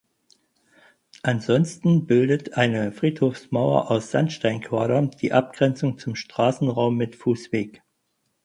Ansonsten bildet eine Friedhofsmauer aus Sandsteinquadern die Abgrenzung zum Straßenraum mit Fußweg.